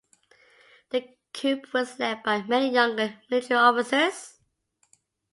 The coup was led by many younger military officers.